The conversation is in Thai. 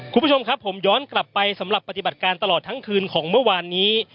คุณผู้ชมครับผมย้อนกลับไปสำหรับปฏิบัติการตลอดทั้งคืนของเมื่อวานนี้